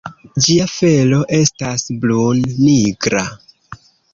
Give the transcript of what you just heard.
Ĝia felo estas brun-nigra.